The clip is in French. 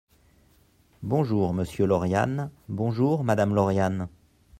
Bonjour, monsieur Lauriane ; bonjour, madame Lauriane.